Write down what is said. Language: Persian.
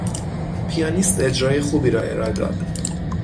پیانیست اجرای خوبی را ارائه داد.